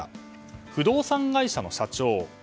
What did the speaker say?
不動産会社の社長